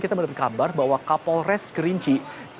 kita mendapat kabar bahwa kapolres kerinci